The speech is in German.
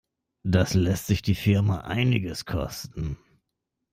Das lässt sich die Firma einiges kosten.